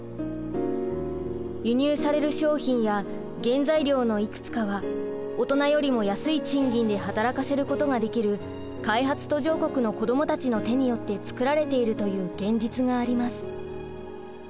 輸入される商品や原材料のいくつかは大人よりも安い賃金で働かせることができる開発途上国の子どもたちの手によってつくられているという現実があります。